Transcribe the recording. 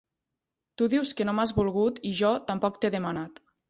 Tu dius que no m’has volgut i jo tampoc t’he demanat.